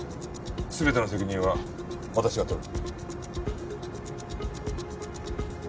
全ての責任は私が取る。